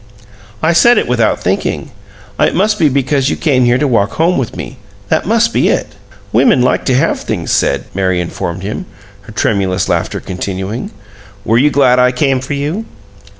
"I said it without thinking. It must be because you came there to walk home with me. That must be it." "Women like to have things said," Mary informed him, her tremulous laughter continuing. "Were you glad I came for you?"